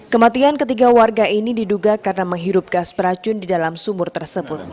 kematian ketiga warga ini diduga karena menghirup gas beracun di dalam sumur tersebut